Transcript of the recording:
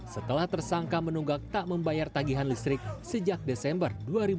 setelah tersangka menunggak tak membayar tagihan listrik sejak desember dua ribu dua puluh